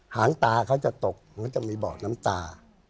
หางตาเขาจะตกเขาจะมีบอกน้ำตา